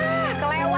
buruan nak buruan lewat